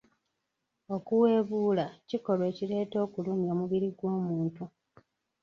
Okuwebuula kikolwa ekireeta okulumya omubiri gw'omuntu.